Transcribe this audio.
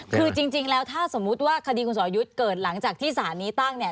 คือจริงแล้วถ้าสมมุติว่าคดีคุณสอรยุทธ์เกิดหลังจากที่สารนี้ตั้งเนี่ย